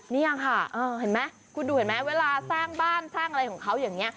นี่ค่ะเห็นไหมคุณดูเห็นไหมเวลาสร้างบ้านสร้างอะไรของเขาอย่างนี้